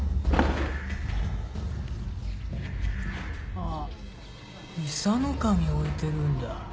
あっ伊佐の守置いてるんだ。